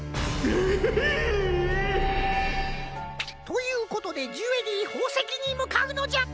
ひいっ！ということでジュエリーほうせきにむかうのじゃ！